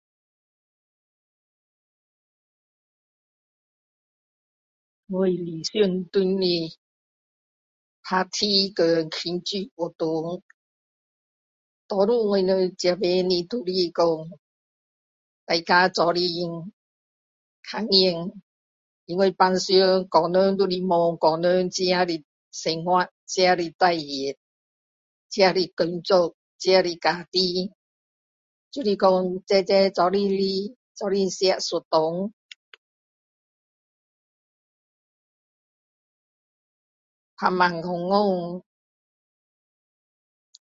我理想中的party 和庆祝活动多数我们这边都是讲大家一起看见因为平常个自己的工作人都是忙个人自己的生活自己的事情自己的家庭就是说一起来吃一顿